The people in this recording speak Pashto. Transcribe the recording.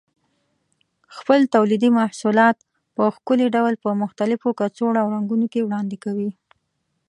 خپل تولیدي محصولات په ښکلي ډول په مختلفو کڅوړو او رنګونو کې وړاندې کوي.